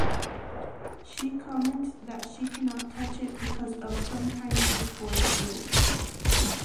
She comments that she cannot touch it because of some kind of force field.